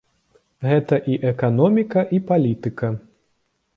Гэта і эканоміка, і палітыка.